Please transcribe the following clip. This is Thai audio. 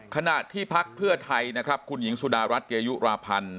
ขณะที่พักเพื่อไทยนะครับคุณหญิงสุดารัฐเกยุราพันธ์